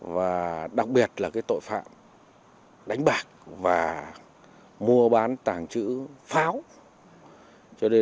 và đặc biệt là tội phạm đánh bạc và mua bán tàng trữ pháo